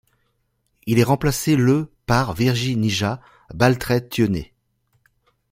Il est remplacé le par Virginija Baltraitienė.